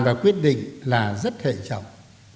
và quyết định là rất hệ trọng